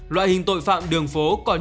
loại hình tội phạm đường phố còn